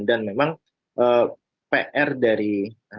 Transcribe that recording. dan memang pr dari banknya